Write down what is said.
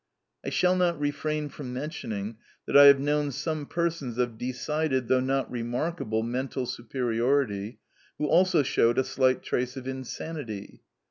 I shall not refrain from mentioning, that I have known some persons of decided, though not remarkable, mental superiority, who also showed a slight trace of insanity.